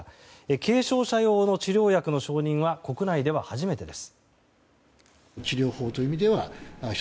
軽症者用の治療薬の承認は国内では初めてです。